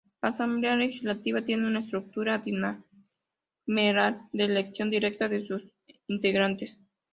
La Asamblea Legislativa tiene una estructura bicameral de elección directa de sus integrantes.